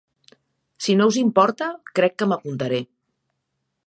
Si no us importa, crec que m'apuntaré.